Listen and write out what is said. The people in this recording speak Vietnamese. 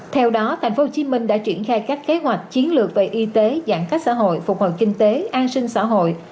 theo đó tp hcm đã triển khai các kế hoạch chiến lược về y tế giãn cách xã hội phục hồi kinh tế an sinh xã hội